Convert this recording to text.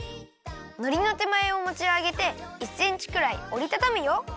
のりのてまえをもちあげて１センチくらいおりたたむよ。